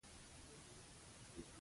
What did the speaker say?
لکه نوک او غوښه یو یو یوو.